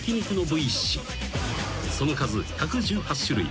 ［その数１１８種類。